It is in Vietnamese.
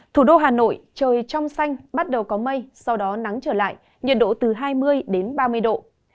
thủ đô hà nội trời trong xanh bắt đầu có mây sau đó nắng trở lại nhiệt độ từ hai mươi đến ba mươi độ